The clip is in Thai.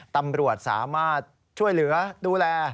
ตำรวจสามารถช่วยเหลือดูแล